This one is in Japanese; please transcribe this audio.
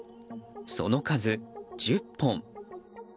その数、１０本。